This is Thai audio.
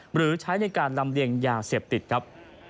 หรือใช้ในการลำเลียงยาเสพติดครับ